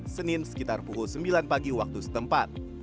senin sekitar pukul sembilan pagi waktu setempat